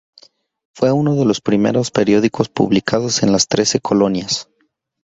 Fue uno de los primeros periódicos publicados en las Trece Colonias.